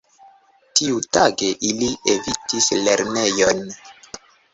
Tiutage ili evitis lernejon.